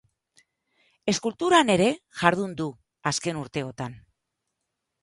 Eskulturan ere jardun du azken urteotan.